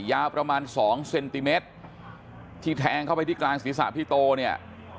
ยาวประมาณสองเซนติเมตรที่แทงเข้าไปที่กลางศีรษะพี่โตเนี่ย